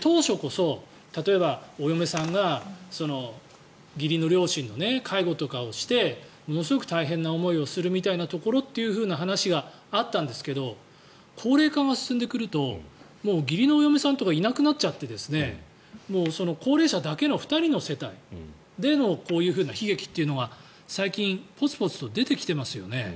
当初こそ、例えば、お嫁さんが義理の両親の介護とかをしてものすごく大変な思いをするという話があったんですけど高齢化が進んでくると義理のお嫁さんとかいなくなっちゃって高齢者だけの２人の世帯でのこういうふうな悲劇というのが最近、ポツポツと出てきてますよね。